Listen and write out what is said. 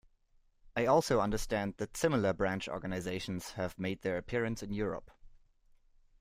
I also understand that similar branch organizations have made their appearance in Europe.